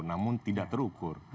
namun tidak terukur